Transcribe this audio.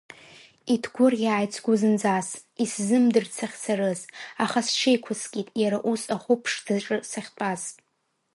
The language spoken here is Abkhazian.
Иҭгәырӷьааит сгәы зынӡас, исзымдырт сахьцарыз, аха сҽеиқәыскит иара ус ахәы ԥшӡаҿы сахьтәаз.